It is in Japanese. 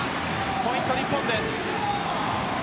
ポイントは日本です。